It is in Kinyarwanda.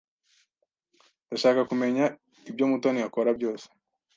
Ndashaka kumenya ibyo Mutoni akora byose.